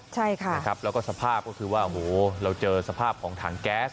ใช่ค่ะนะครับแล้วก็สภาพก็คือว่าโอ้โหเราเจอสภาพของถังแก๊ส